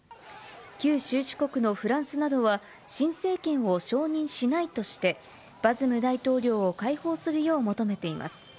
旧宗主国の新政権を承認しないとして、バズム大統領を解放するよう求めています。